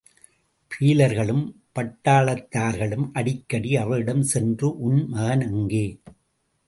பீலர்களும் பட்டாளத்தார்களும் அடிக்கடி அவளிடம் சென்று, உன் மகன் எங்கே?